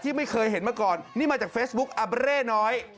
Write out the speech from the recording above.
ไม่เคยเห็นมาก่อนนี่มาจากเฟซบุ๊คอับเร่น้อย